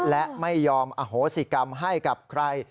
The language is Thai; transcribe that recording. และไม่ยอมอโหสิกรรมให้กับใคร